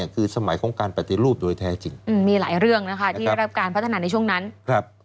คือสมัยของการปฏิรูปโดยแท้จริงมีหลายเรื่องนะคะที่ได้รับการพัฒนาในช่วงนั้นครับ